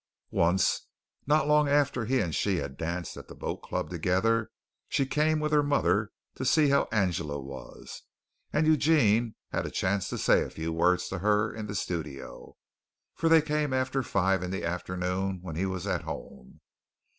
Once, not long after he and she had danced at the boat club together, she came with her mother to see how Angela was, and Eugene had a chance to say a few words to her in the studio, for they came after five in the afternoon when he was at home.